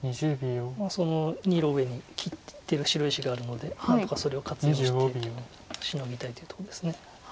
その２路上に切ってる白石があるので何とかそれを活用してシノぎたいというとこです。